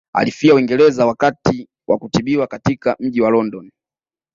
Alifia Uingereza wakati wa kutibiwa katika mji wa London